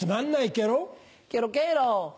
ケロケロ。